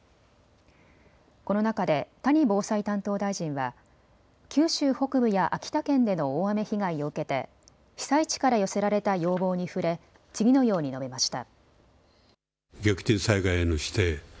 この中で谷防災担当大臣は九州北部や秋田県での大雨被害を受けて被災地から寄せられた要望に触れ次のように述べました。